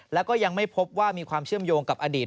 แล้วก็ยังไม่พบว่ามีความเชื่อมโยงกับอดีต